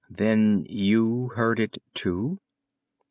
"Then you heard it too?"